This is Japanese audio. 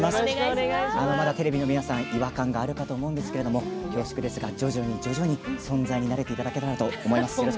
テレビの皆さん違和感があるかと思うんですけれども恐縮ですが徐々に徐々に存在に慣れていただければと思います。